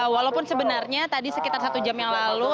walaupun sebenarnya tadi sekitar satu jam yang lalu